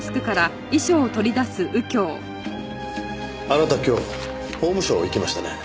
あなた今日法務省へ行きましたね？